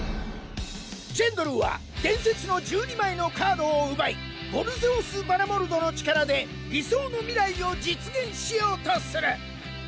ジェンドルは伝説の１２枚のカードを奪いヴォルゼオス・バラモルドの力で理想の未来を実現しようとする。